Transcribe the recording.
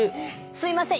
すいません